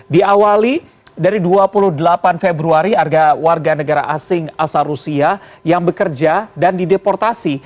diawali dari dua puluh delapan februari warga negara asing asal rusia yang bekerja dan dideportasi